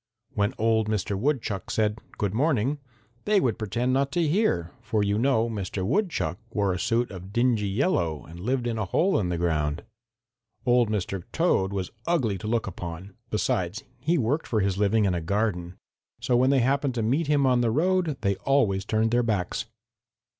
When old Mr. Woodchuck said 'good morning,' they would pretend not to hear, for you know Mr. Woodchuck wore a suit of dingy yellow and lived in a hole in the ground. Old Mr. Toad was ugly to look upon. Besides, he worked for his living in a garden. So when they happened to meet him on the road they always turned their backs.